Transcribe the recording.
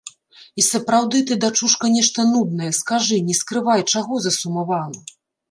І сапраўды, ты, дачушка, нешта нудная, скажы, не скрывай, чаго засумавала.